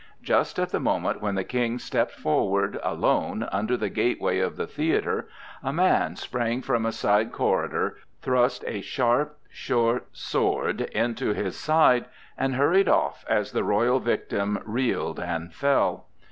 Just at the moment when the King stepped forward, alone, under the gateway of the theatre, a man sprang from a side corridor, thrust a sharp short sword into his side, and hurried off as the royal victim reeled and fell.